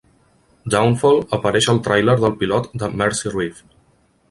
"Downfall" apareix al tràiler del pilot de "Mercy Reef".